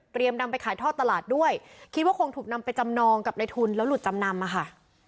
นำไปขายท่อตลาดด้วยคิดว่าคงถูกนำไปจำนองกับในทุนแล้วหลุดจำนำอ่ะค่ะ